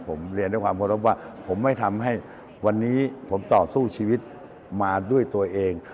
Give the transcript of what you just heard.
ผมเรียนด้วยความเคารพว่าผมไม่ทำให้วันนี้ผมต่อสู้ชีวิตมาด้วยตัวเอง